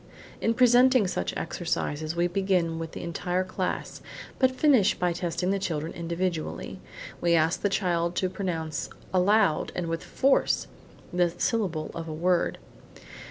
In presenting such exercises we begin with the entire class, but finish by testing the children individually. We ask the child to pronounce, aloud and with force, the first syllable of a word.